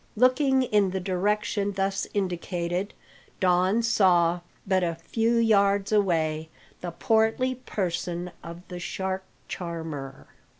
Looking in the direction thus indicated, Don saw, but a few yards away, the portly person of the shark charmer.